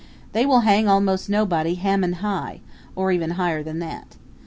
They will hang almost anybody Haman high, or even higher than that.